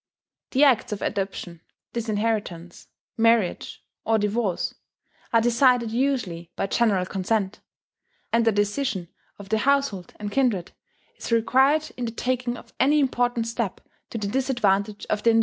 The acts of adoption, disinheritance, marriage, or divorce, are decided usually by general consent; and the decision of the household and kindred is required in the taking of any important step to the disadvantage of the individual.